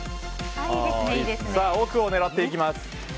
奥を狙っていきます。